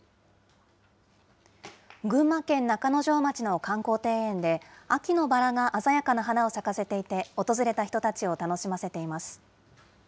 群馬県中之条町の観光庭園で、秋のバラが鮮やかな花を咲かせていて、訪れた人たちを楽しませています。